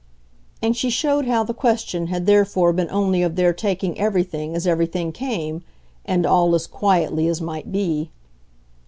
And she showed how the question had therefore been only of their taking everything as everything came, and all as quietly as might be.